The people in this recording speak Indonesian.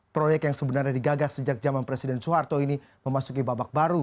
proyek yang sebenarnya digagas sejak zaman presiden soeharto ini memasuki babak baru